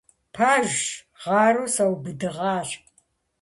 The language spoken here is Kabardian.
Пэжщ, гъэру саубыдыгъащ.